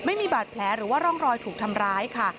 ไม่มีบาดแผลหรือว่าร่องรอยถูกทำร้ายค่ะ